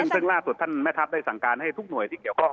ซึ่งล่าสุดท่านแม่ทัพได้สั่งการให้ทุกหน่วยที่เกี่ยวข้อง